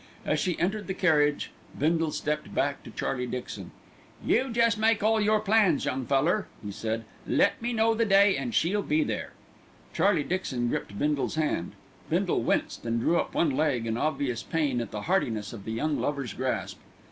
As she entered the carriage Bindle stepped back to Charlie Dixon. "You jest make all your plans, young feller," he said. "Let me know the day an' she'll be there." Charlie Dixon gripped Bindle's hand. Bindle winced and drew up one leg in obvious pain at the heartiness of the young lover's grasp.